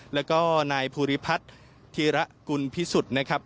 แล้วก็นายภูริพัฒน์ธีระกุลพิสุทธิ์นะครับ